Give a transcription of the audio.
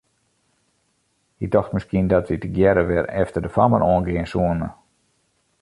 Hy tocht miskien dat wy tegearre wer efter de fammen oan gean soene.